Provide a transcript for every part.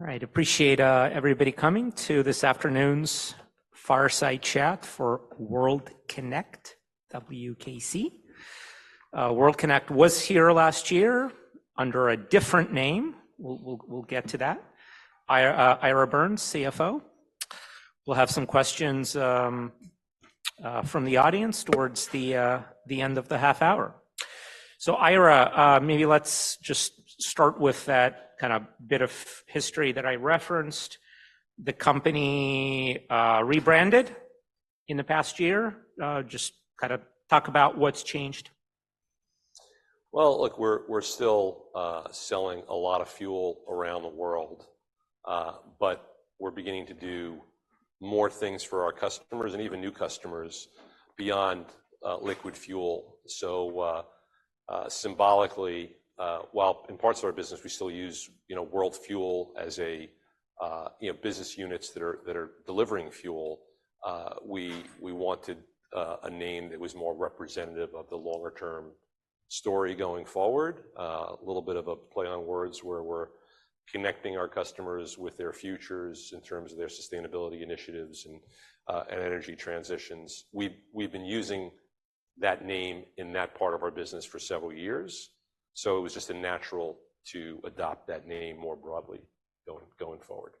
All right. Appreciate everybody coming to this afternoon's fireside chat for World Kinect WKC. World Kinect was here last year under a different name; we'll get to that. Ira Birns, CFO. We'll have some questions from the audience towards the end of the half hour. So Ira, maybe let's just start with that kind of bit of history that I referenced. The company rebranded in the past year; just kind of talk about what's changed. Well, look, we're, we're still selling a lot of fuel around the world, but we're beginning to do more things for our customers and even new customers beyond liquid fuel. So, symbolically, while in parts of our business we still use, you know, World Fuel as a, you know, business units that are, that are delivering fuel, we, we wanted a name that was more representative of the longer-term story going forward, a little bit of a play on words where we're connecting our customers with their futures in terms of their sustainability initiatives and, and energy transitions. We've, we've been using that name in that part of our business for several years, so it was just a natural to adopt that name more broadly going, going forward.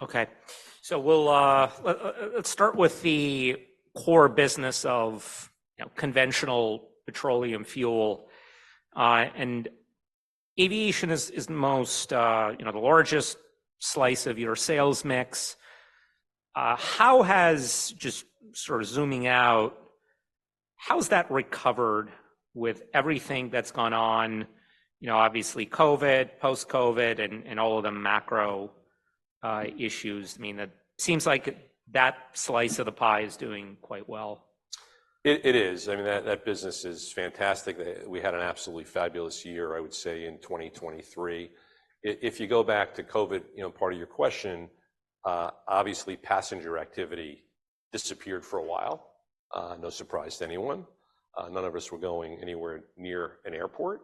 Okay. So we'll, let's start with the core business of, you know, conventional petroleum fuel, and aviation is most, you know, the largest slice of your sales mix. How has, just sort of zooming out, how's that recovered with everything that's gone on, you know, obviously COVID, post-COVID, and all of the macro issues? I mean, that seems like that slice of the pie is doing quite well. It is. I mean, that business is fantastic. We had an absolutely fabulous year, I would say, in 2023. If you go back to COVID, you know, part of your question, obviously passenger activity disappeared for a while, no surprise to anyone. None of us were going anywhere near an airport.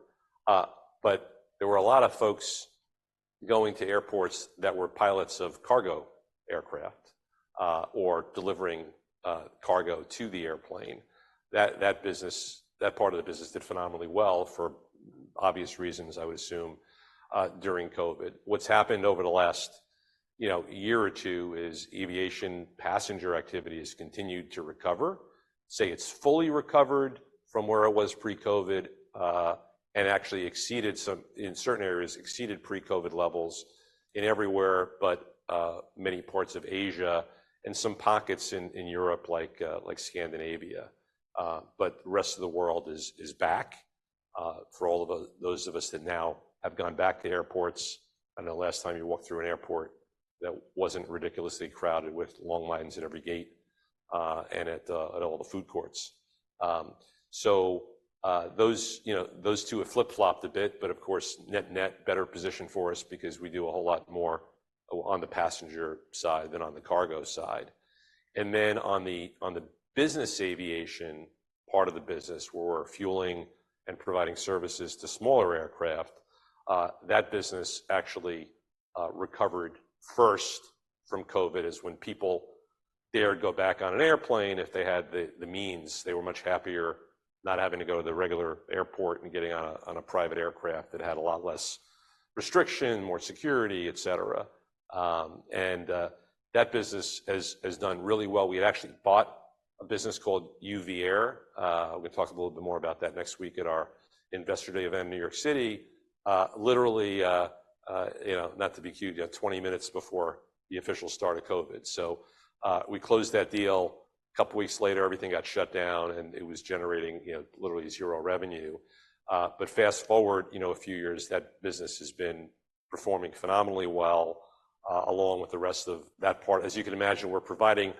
But there were a lot of folks going to airports that were pilots of cargo aircraft or delivering cargo to the airplane. That business, that part of the business did phenomenally well for obvious reasons, I would assume, during COVID. What's happened over the last, you know, year or two is aviation passenger activity has continued to recover. It's fully recovered from where it was pre-COVID, and actually exceeded—in certain areas exceeded pre-COVID levels everywhere but many parts of Asia and some pockets in Europe, like Scandinavia. But the rest of the world is back, for all of those of us that now have gone back to airports. I don't know the last time you walked through an airport that wasn't ridiculously crowded with long lines at every gate, and at all the food courts. So, those, you know, those two have flip-flopped a bit, but of course, net-net, better position for us because we do a whole lot more on the passenger side than on the cargo side. And then on the business aviation part of the business where we're fueling and providing services to smaller aircraft, that business actually recovered first from COVID, is when people dared go back on an airplane if they had the means. They were much happier not having to go to the regular airport and getting on a private aircraft that had a lot less restriction, more security, etc., and that business has done really well. We had actually bought a business called UVair. We're gonna talk a little bit more about that next week at our Investor Day event in New York City, literally, you know, not to be cute, you know, 20 minutes before the official start of COVID. So, we closed that deal. A couple weeks later, everything got shut down and it was generating, you know, literally zero revenue. But fast forward, you know, a few years, that business has been performing phenomenally well, along with the rest of that part. As you can imagine, we're providing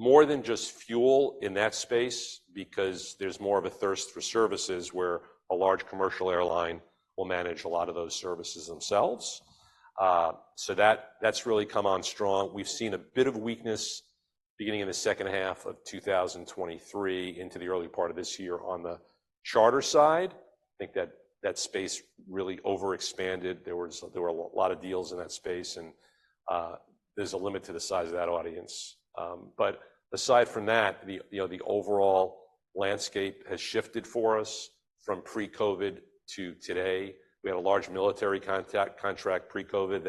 more than just fuel in that space because there's more of a thirst for services where a large commercial airline will manage a lot of those services themselves. So that, that's really come on strong. We've seen a bit of weakness beginning in the second half of 2023 into the early part of this year on the charter side. I think that space really overexpanded. There were a lot of deals in that space and, there's a limit to the size of that audience. But aside from that, you know, the overall landscape has shifted for us from pre-COVID to today. We had a large military contract pre-COVID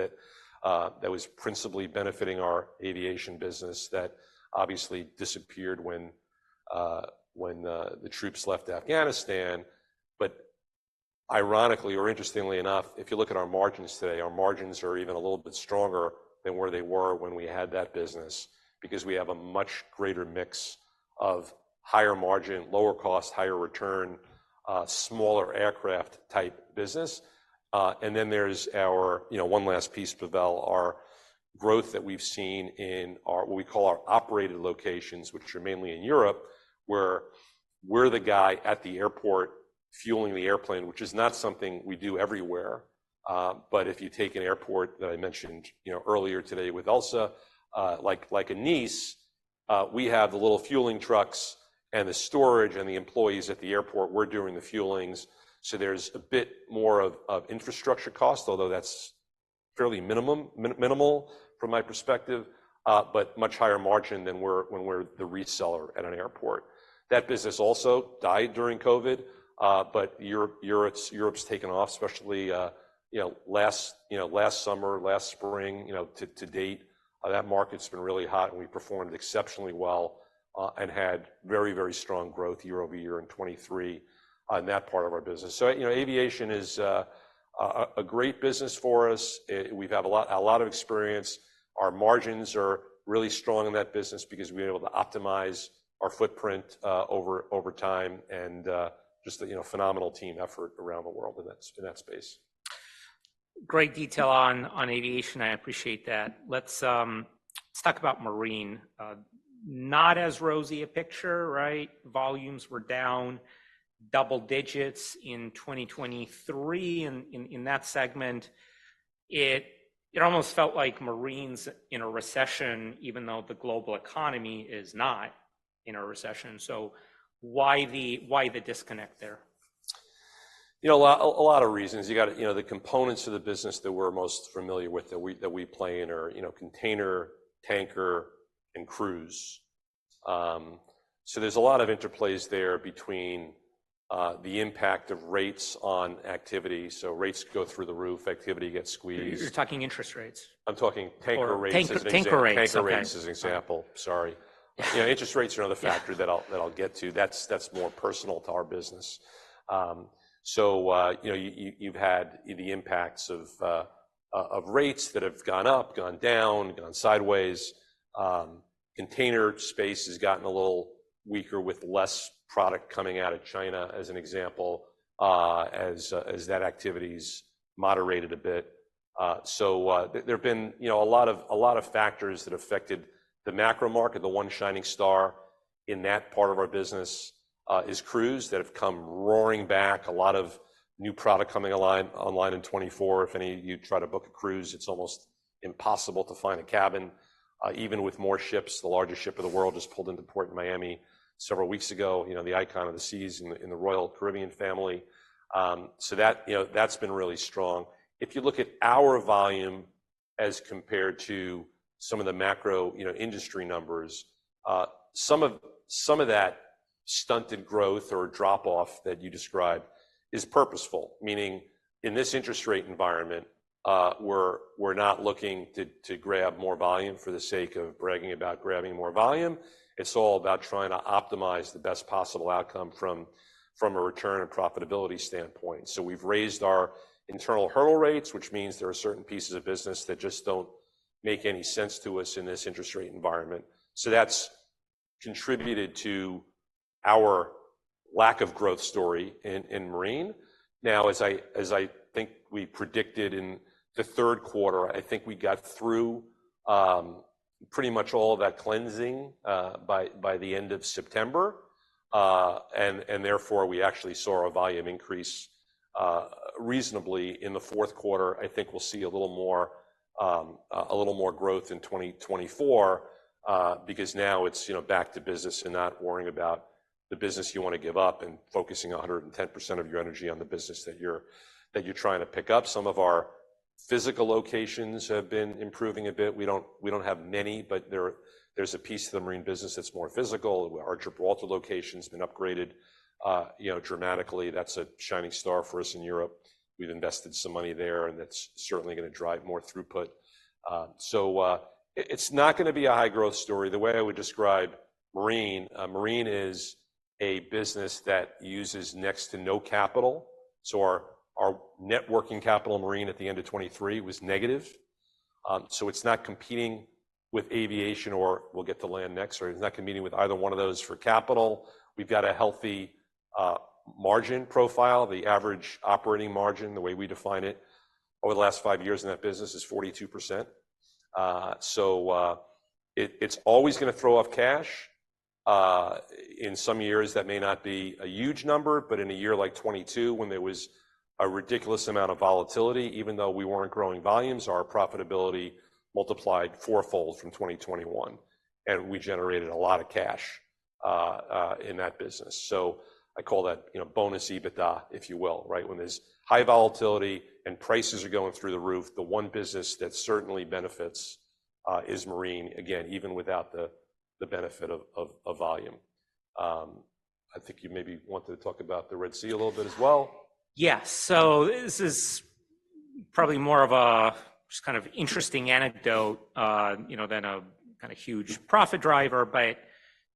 that was principally benefiting our aviation business that obviously disappeared when the troops left Afghanistan. But ironically or interestingly enough, if you look at our margins today, our margins are even a little bit stronger than where they were when we had that business because we have a much greater mix of higher margin, lower cost, higher return, smaller aircraft type business. And then there's our, you know, one last piece, Pavel, our growth that we've seen in our what we call our operated locations, which are mainly in Europe, where we're the guy at the airport fueling the airplane, which is not something we do everywhere. But if you take an airport that I mentioned, you know, earlier today with Elsa, like, like a Nice, we have the little fueling trucks and the storage and the employees at the airport, we're doing the fuelings. So there's a bit more of infrastructure cost, although that's fairly minimal from my perspective, but much higher margin than when we're the reseller at an airport. That business also died during COVID, but Europe's taken off, especially, you know, last summer, last spring, you know, to date. That market's been really hot and we performed exceptionally well, and had very, very strong growth year-over-year in 2023, in that part of our business. So, you know, aviation is a great business for us. We've had a lot of experience. Our margins are really strong in that business because we're able to optimize our footprint over time and just the, you know, phenomenal team effort around the world in that space. Great detail on aviation. I appreciate that. Let's talk about marine. Not as rosy a picture, right? Volumes were down double digits in 2023 in that segment. It almost felt like marine's in a recession even though the global economy is not in a recession. So why the disconnect there? You know, a lot, a lot of reasons. You gotta, you know, the components of the business that we're most familiar with that we play in are, you know, container, tanker, and cruise. So there's a lot of interplays there between the impact of rates on activity. So rates go through the roof, activity gets squeezed. You're talking interest rates? I'm talking tanker rates as an example. Tanker rates as an example. Sorry. Yeah. Interest rates are another factor that I'll get to. That's more personal to our business. So, you know, you've had the impacts of rates that have gone up, gone down, gone sideways. Container space has gotten a little weaker with less product coming out of China as an example, as that activity's moderated a bit. So, there've been, you know, a lot of factors that affected the macro market. The one shining star in that part of our business is cruise that have come roaring back. A lot of new product coming online in 2024. If any of you try to book a cruise, it's almost impossible to find a cabin, even with more ships. The largest ship of the world just pulled into PortMiami several weeks ago, you know, the Icon of the Seas in the Royal Caribbean family. So that, you know, that's been really strong. If you look at our volume as compared to some of the macro, you know, industry numbers, some of that stunted growth or drop-off that you described is purposeful. Meaning, in this interest rate environment, we're not looking to grab more volume for the sake of bragging about grabbing more volume. It's all about trying to optimize the best possible outcome from a return and profitability standpoint. So we've raised our internal hurdle rates, which means there are certain pieces of business that just don't make any sense to us in this interest rate environment. So that's contributed to our lack of growth story in marine. Now, as I think we predicted in the third quarter, I think we got through pretty much all of that cleansing by the end of September, and therefore we actually saw a volume increase, reasonably. In the fourth quarter, I think we'll see a little more growth in 2024, because now it's, you know, back to business and not worrying about the business you wanna give up and focusing 110% of your energy on the business that you're trying to pick up. Some of our physical locations have been improving a bit. We don't have many, but there is a piece of the marine business that's more physical. Algeciras location's been upgraded, you know, dramatically. That's a shining star for us in Europe. We've invested some money there and that's certainly gonna drive more throughput. It's not gonna be a high growth story. The way I would describe marine, marine is a business that uses next to no capital. So our net working capital in marine at the end of 2023 was negative. So it's not competing with aviation or we'll get to land next, or it's not competing with either one of those for capital. We've got a healthy margin profile, the average operating margin, the way we define it over the last five years in that business is 42%. So it's always gonna throw off cash. In some years that may not be a huge number, but in a year like 2022 when there was a ridiculous amount of volatility, even though we weren't growing volumes, our profitability multiplied fourfold from 2021 and we generated a lot of cash in that business. So I call that, you know, bonus EBITDA, if you will, right? When there's high volatility and prices are going through the roof, the one business that certainly benefits, is marine, again, even without the benefit of volume. I think you maybe want to talk about the Red Sea a little bit as well. Yes. So this is probably more of a just kind of interesting anecdote, you know, than a kind of huge profit driver. But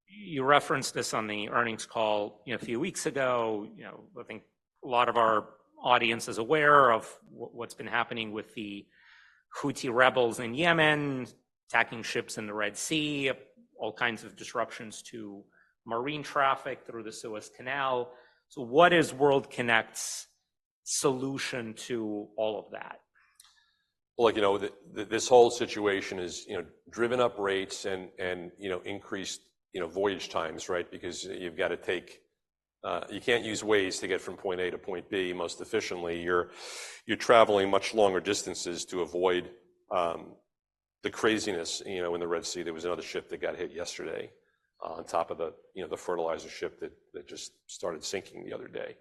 you referenced this on the earnings call, you know, a few weeks ago. You know, I think a lot of our audience is aware of what's been happening with the Houthi rebels in Yemen, attacking ships in the Red Sea, all kinds of disruptions to marine traffic through the Suez Canal. So what is World Kinect's solution to all of that? Well, like, you know, this whole situation is, you know, driven up rates and, and, you know, increased, you know, voyage times, right? Because you've gotta take, you can't use Waze to get from point A to point B most efficiently. You're, you're traveling much longer distances to avoid the craziness, you know, in the Red Sea. There was another ship that got hit yesterday, on top of the, you know, the fertilizer ship that, that just started sinking the other day.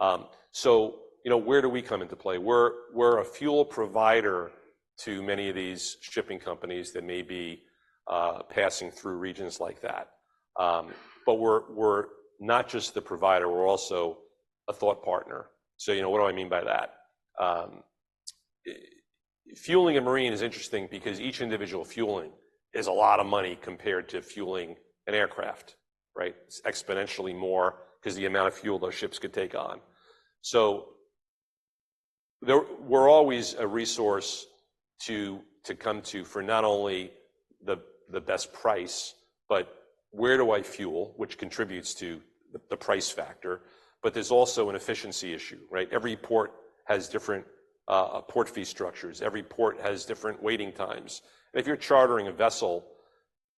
You know, where do we come into play? We're, we're a fuel provider to many of these shipping companies that may be passing through regions like that. We're, we're not just the provider. We're also a thought partner. So, you know, what do I mean by that? Fueling a marine is interesting because each individual fueling is a lot of money compared to fueling an aircraft, right? It's exponentially more 'cause the amount of fuel those ships could take on. So there, we're always a resource to come to for not only the best price, but where do I fuel, which contributes to the price factor. But there's also an efficiency issue, right? Every port has different port fee structures. Every port has different waiting times. And if you're chartering a vessel,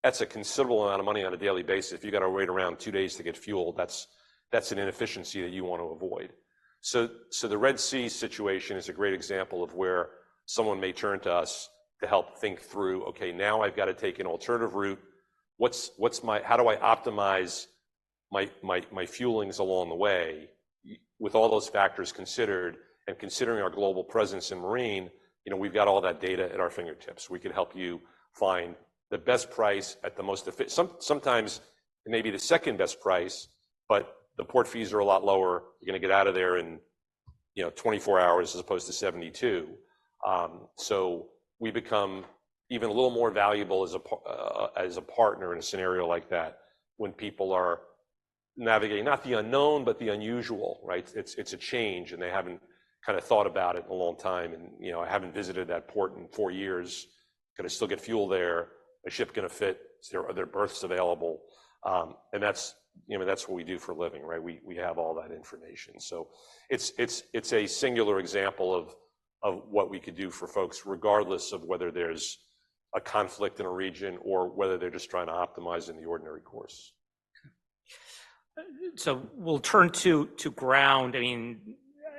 that's a considerable amount of money on a daily basis. If you gotta wait around two days to get fuel, that's an inefficiency that you wanna avoid. So the Red Sea situation is a great example of where someone may turn to us to help think through, okay, now I've gotta take an alternative route. What's my how do I optimize my fuelings along the way with all those factors considered? And considering our global presence in marine, you know, we've got all that data at our fingertips. We could help you find the best price at the most effi sometimes maybe the second best price, but the port fees are a lot lower. You're gonna get out of there in, you know, 24 hours as opposed to 72. So we become even a little more valuable as a partner in a scenario like that when people are navigating not the unknown, but the unusual, right? It's a change and they haven't kinda thought about it in a long time. And, you know, I haven't visited that port in four years. Can I still get fuel there? Is a ship gonna fit? Are there berths available? that's, you know, that's what we do for a living, right? We have all that information. So it's a singular example of what we could do for folks regardless of whether there's a conflict in a region or whether they're just trying to optimize in the ordinary course. Okay. So we'll turn to ground. I mean,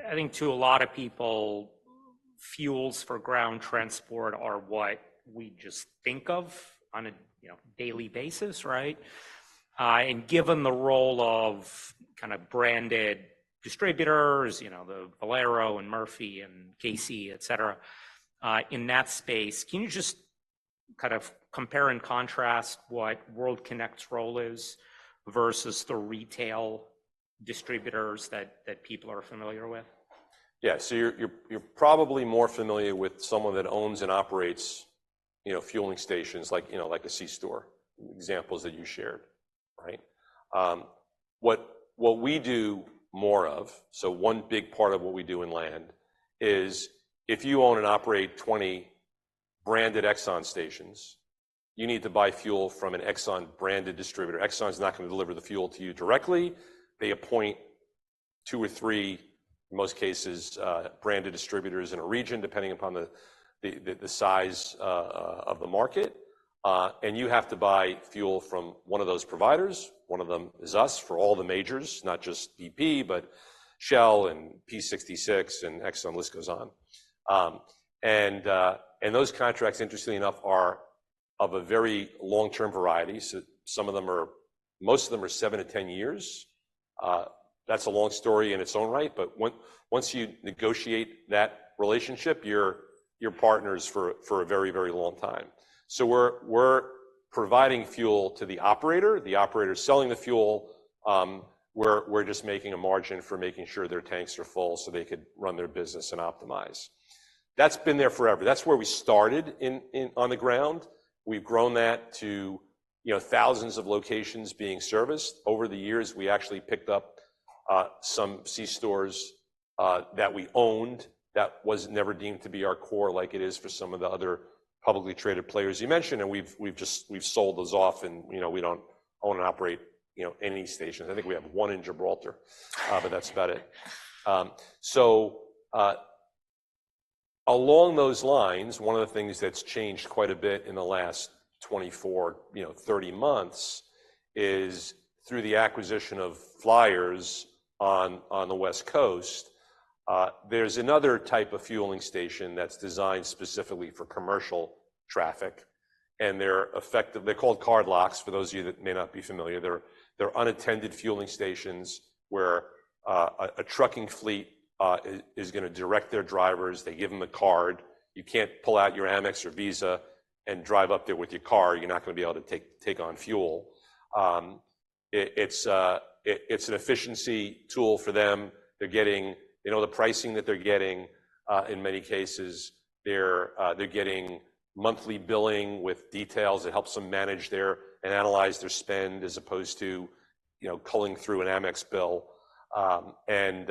I think to a lot of people, fuels for ground transport are what we just think of on a, you know, daily basis, right? And given the role of kind of branded distributors, you know, the Valero and Murphy and Casey's, etc., in that space, can you just kind of compare and contrast what World Kinect's role is versus the retail distributors that, that people are familiar with? Yeah. So you're probably more familiar with someone that owns and operates, you know, fueling stations like, you know, like a C-store examples that you shared, right? What we do more of, so one big part of what we do in land is if you own and operate 20 branded Exxon stations, you need to buy fuel from an Exxon branded distributor. Exxon's not gonna deliver the fuel to you directly. They appoint two or three, in most cases, branded distributors in a region depending upon the size of the market. You have to buy fuel from one of those providers. One of them is us for all the majors, not just BP, but Shell and P66 and Exxon, the list goes on. And those contracts, interestingly enough, are of a very long-term variety. So some of them are, most of them are seven and 10 years. That's a long story in its own right. But once, once you negotiate that relationship, you're, you're partners for, for a very, very long time. So we're, we're providing fuel to the operator. The operator's selling the fuel. We're, we're just making a margin for making sure their tanks are full so they could run their business and optimize. That's been there forever. That's where we started in, in on the ground. We've grown that to, you know, thousands of locations being serviced. Over the years, we actually picked up some C-stores that we owned that was never deemed to be our core like it is for some of the other publicly traded players you mentioned. And we've, we've just we've sold those off and, you know, we don't own and operate, you know, any stations. I think we have one in Gibraltar, but that's about it. So, along those lines, one of the things that's changed quite a bit in the last 24, you know, 30 months is through the acquisition of Flyers on, on the West Coast, there's another type of fueling station that's designed specifically for commercial traffic. And they're effective; they're called cardlocks for those of you that may not be familiar. They're unattended fueling stations where a trucking fleet is gonna direct their drivers. They give them a card. You can't pull out your Amex or Visa and drive up there with your car. You're not gonna be able to take on fuel. It's an efficiency tool for them. They're getting you know, the pricing that they're getting; in many cases, they're getting monthly billing with details. It helps them manage their and analyze their spend as opposed to, you know, culling through an Amex bill. And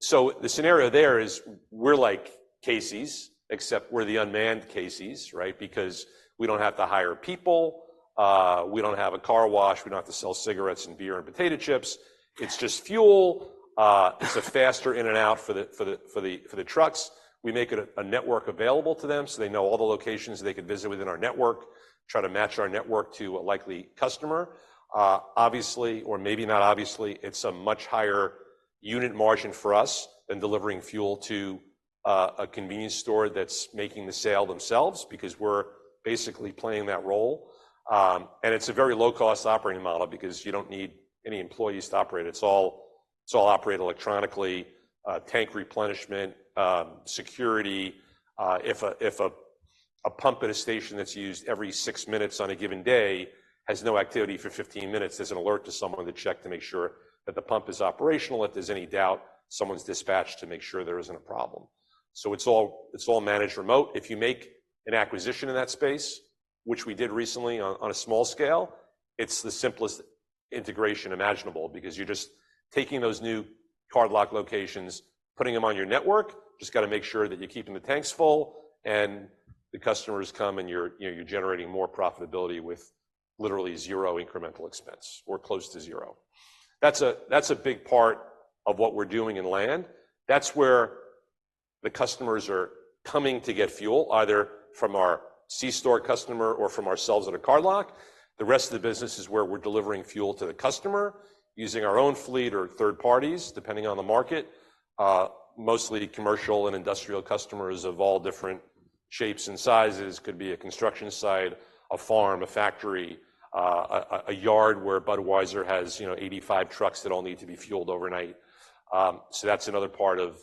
so the scenario there is we're like Casey's except we're the unmanned Casey's, right? Because we don't have to hire people. We don't have a car wash. We don't have to sell cigarettes and beer and potato chips. It's just fuel. It's a faster in and out for the trucks. We make it a network available to them so they know all the locations they could visit within our network, try to match our network to a likely customer. Obviously or maybe not obviously, it's a much higher unit margin for us than delivering fuel to a convenience store that's making the sale themselves because we're basically playing that role. It's a very low-cost operating model because you don't need any employees to operate it. It's all operated electronically. Tank replenishment, security. If a pump at a station that's used every six minutes on a given day has no activity for 15 minutes, there's an alert to someone to check to make sure that the pump is operational. If there's any doubt, someone's dispatched to make sure there isn't a problem. So it's all managed remotely. If you make an acquisition in that space, which we did recently on a small scale, it's the simplest integration imaginable because you're just taking those new cardlock locations, putting them on your network, just gotta make sure that you're keeping the tanks full and the customers come and you're, you know, you're generating more profitability with literally zero incremental expense or close to zero. That's a big part of what we're doing in land. That's where the customers are coming to get fuel either from our C-store customer or from ourselves at a cardlock. The rest of the business is where we're delivering fuel to the customer using our own fleet or third parties depending on the market, mostly commercial and industrial customers of all different shapes and sizes. Could be a construction site, a farm, a factory, a yard where Budweiser has, you know, 85 trucks that all need to be fueled overnight. So that's another part of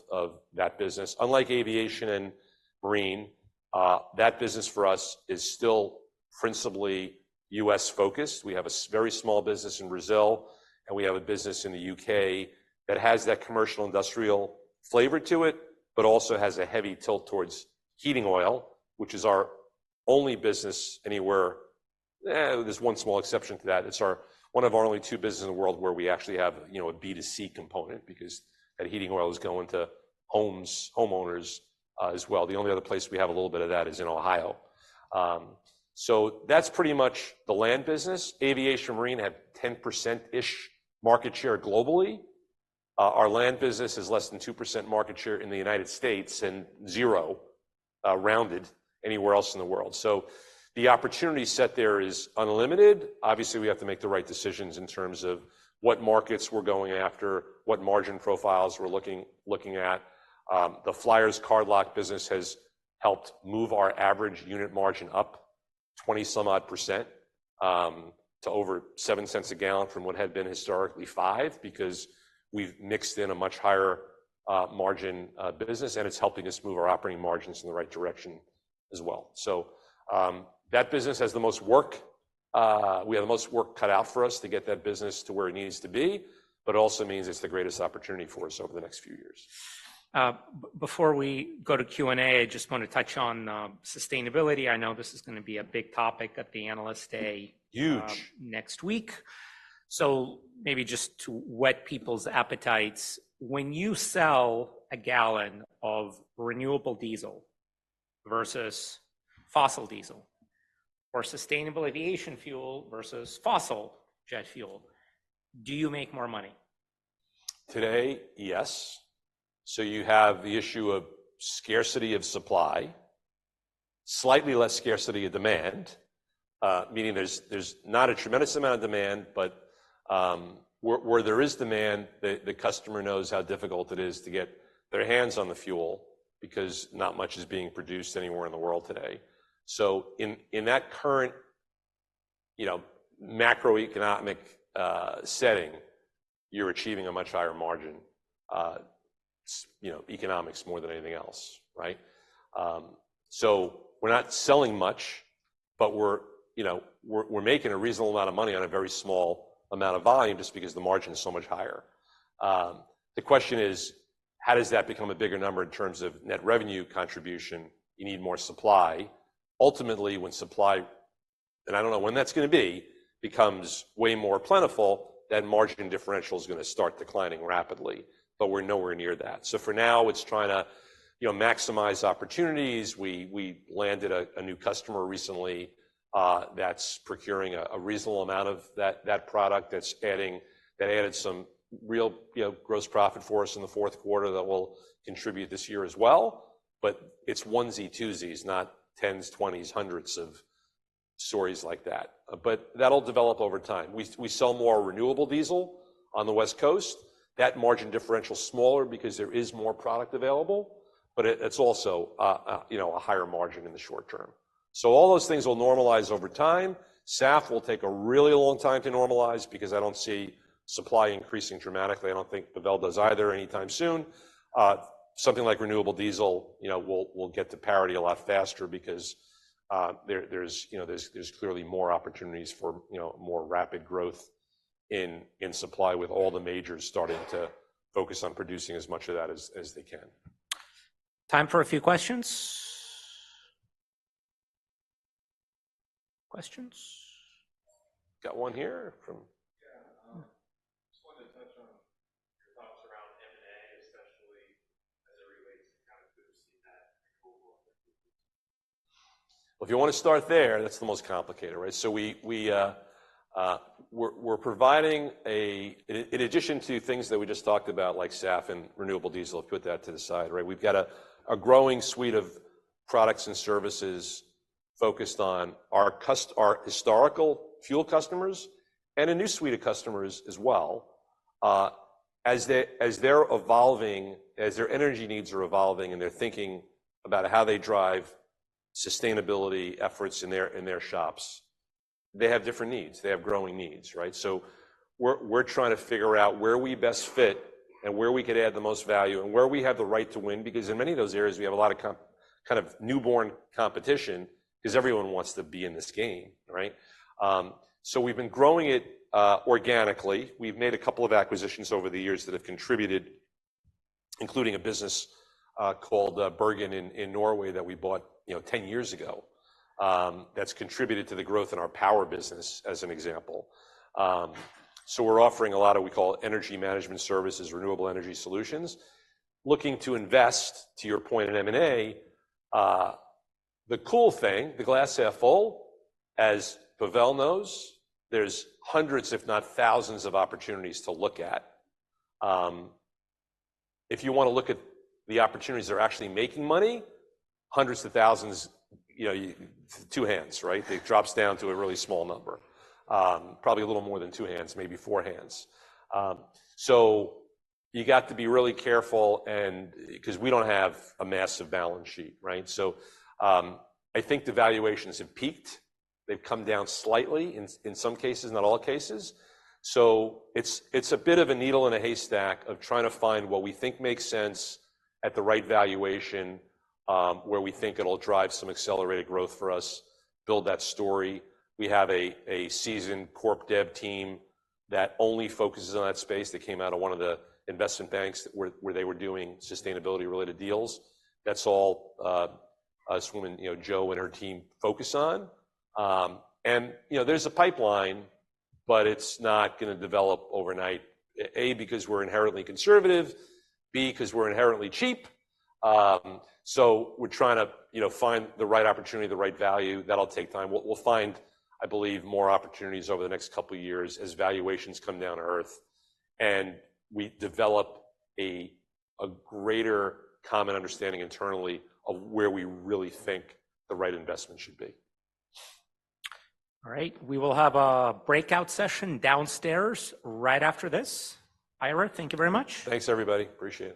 that business. Unlike aviation and marine, that business for us is still principally U.S.-focused. We have a very small business in Brazil and we have a business in the U.K. that has that commercial industrial flavor to it, but also has a heavy tilt towards heating oil, which is our only business anywhere there's one small exception to that. It's our one of our only two businesses in the world where we actually have, you know, a B2C component because that heating oil is going to homes, homeowners, as well. The only other place we have a little bit of that is in Ohio. So that's pretty much the land business. Aviation and marine have 10%-ish market share globally. Our land business is less than 2% market share in the United States and zero, rounded anywhere else in the world. So the opportunity set there is unlimited. Obviously, we have to make the right decisions in terms of what markets we're going after, what margin profiles we're looking at. The Flyers cardlock business has helped move our average unit margin up 20-some-odd%, to over $0.07 a gallon from what had been historically $0.05 because we've mixed in a much higher-margin business and it's helping us move our operating margins in the right direction as well. So, that business has the most work we have the most work cut out for us to get that business to where it needs to be, but it also means it's the greatest opportunity for us over the next few years. Before we go to Q&A, I just wanna touch on sustainability. I know this is gonna be a big topic at the Analyst Day. Huge. next week. So maybe just to whet people's appetites, when you sell a gallon of renewable diesel versus fossil diesel or sustainable aviation fuel versus fossil jet fuel, do you make more money? Today, yes. So you have the issue of scarcity of supply, slightly less scarcity of demand, meaning there's not a tremendous amount of demand, but where there is demand, the customer knows how difficult it is to get their hands on the fuel because not much is being produced anywhere in the world today. So in that current, you know, macroeconomic setting, you're achieving a much higher margin. It's, you know, economics more than anything else, right? So we're not selling much, but we're, you know, we're making a reasonable amount of money on a very small amount of volume just because the margin is so much higher. The question is, how does that become a bigger number in terms of net revenue contribution? You need more supply. Ultimately, when supply and I don't know when that's gonna be becomes way more plentiful, that margin differential's gonna start declining rapidly. But we're nowhere near that. So for now, it's trying to, you know, maximize opportunities. We, we landed a, a new customer recently, that's procuring a, a reasonable amount of that, that product that's adding that added some real, you know, gross profit for us in the fourth quarter that will contribute this year as well. But it's onesie, twosies, not tens, twenties, hundreds of stories like that. But that'll develop over time. We, we sell more renewable diesel on the West Coast. That margin differential's smaller because there is more product available, but it-it's also, you know, a higher margin in the short term. So all those things will normalize over time. SAF will take a really long time to normalize because I don't see supply increasing dramatically. I don't think Pavel does either anytime soon. Something like renewable diesel, you know, will get to parity a lot faster because, there, there's you know, there's clearly more opportunities for, you know, more rapid growth in supply with all the majors starting to focus on producing as much of that as they can. Time for a few questions. Questions? Got one here from. Yeah. Just wanna touch on your thoughts around M&A, especially as it relates to kind of overseeing that overall effectiveness? Well, if you wanna start there, that's the most complicated, right? So we're providing, in addition to things that we just talked about like SAF and renewable diesel, if you put that to the side, right, we've got a growing suite of products and services focused on our customers, our historical fuel customers and a new suite of customers as well as they're evolving as their energy needs are evolving and they're thinking about how they drive sustainability efforts in their shops, they have different needs. They have growing needs, right? So we're trying to figure out where we best fit and where we could add the most value and where we have the right to win because in many of those areas, we have a lot of comp kind of newborn competition 'cause everyone wants to be in this game, right? So we've been growing it organically. We've made a couple of acquisitions over the years that have contributed, including a business called Bergen in Norway that we bought, you know, 10 years ago. That's contributed to the growth in our power business as an example. So we're offering a lot of what we call energy management services, renewable energy solutions, looking to invest, to your point in M&A. The cool thing, the glass half full, as Pavel knows, there's hundreds, if not thousands, of opportunities to look at. If you wanna look at the opportunities that are actually making money, hundreds to thousands, you know, two hands, right? It drops down to a really small number. Probably a little more than two hands, maybe four hands. So you got to be really careful and 'cause we don't have a massive balance sheet, right? So, I think the valuations have peaked. They've come down slightly in some cases, not all cases. So it's a bit of a needle in a haystack of trying to find what we think makes sense at the right valuation, where we think it'll drive some accelerated growth for us, build that story. We have a seasoned corp dev team that only focuses on that space. They came out of one of the investment banks that were where they were doing sustainability-related deals. That's all, us women, you know, Jo and her team focus on. You know, there's a pipeline, but it's not gonna develop overnight. A, because we're inherently conservative. B, 'cause we're inherently cheap. We're trying to, you know, find the right opportunity, the right value. That'll take time. We'll, we'll find, I believe, more opportunities over the next couple of years as valuations come down to earth and we develop a greater common understanding internally of where we really think the right investment should be. All right. We will have a breakout session downstairs right after this. Ira, thank you very much. Thanks, everybody. Appreciate it.